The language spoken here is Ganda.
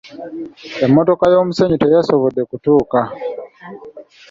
Emmotoka y'omusenyu teyasobodde kutuuka.